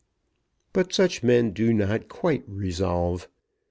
But such men do not quite resolve.